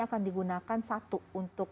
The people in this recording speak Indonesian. akan digunakan satu untuk